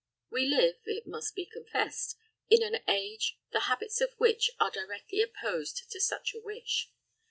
We live, it must be confessed, in an age, the habits of which are directly opposed to such a wish.